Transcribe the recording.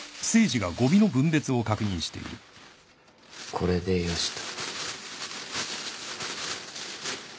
これでよしと。